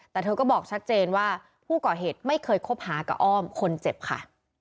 แต่เธอก็บอกชัดเจนว่าผู้ก่อเหตุไม่เคยคบหากับอ้อมคนเจ็บค่ะ